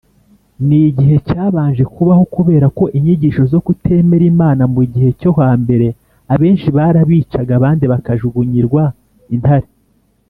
Ni igihe cyabanje kubaho Kubera ko inyigisho zo kutemera Imana mu gihe cyo hambere abenshi barabicaga abandi bakajuginyirwa intare.